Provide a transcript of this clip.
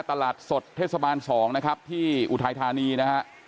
ตลาดสดเทศบาล๒นะครับที่อุทัยธานีนะฮะ